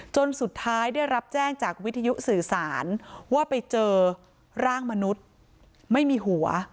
จนสุดท้ายได้รับแจ้งจากวิทยุสื่อสารว่าไปเจอร่างมนุษย์ไม่มีหัว